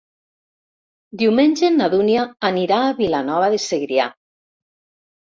Diumenge na Dúnia anirà a Vilanova de Segrià.